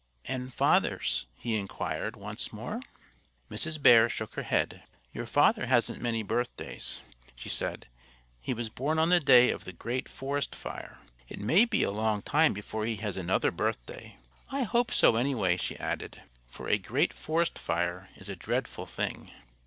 "And Father's?" he inquired once more. Mrs. Bear shook her head. "Your father hasn't many birthdays," she said. "He was born on the day of the great forest fire. It may be a long time before he has another birthday. I hope so, anyhow," she added, "for a great forest fire is a dreadful thing."